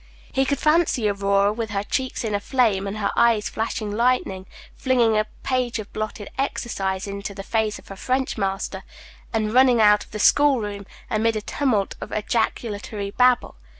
He could fancy Aurora, with her cheeks in a flame, and her eyes flashing lightning, flinging a page of blotted exercises into the face of her French master, and running out of the school room amid a tumult of ejaculatory babble.